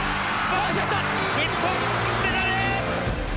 日本金メダル！